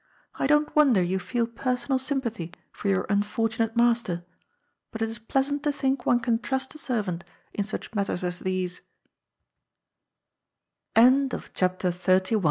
" I don't wonder you feel personal sympathy for your unfortu nate master. But it is pleasant to think one can trust a servant in such matters as